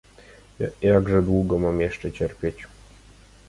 "Jakże długo mam jeszcze cierpieć?"